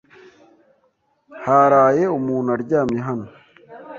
Haraye umuntu aryamye hano?